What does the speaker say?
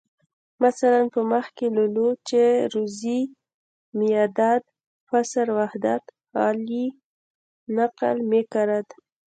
مثلاً په مخ کې لولو چې روزي میاداد پسر وحدت علي نقل میکرد.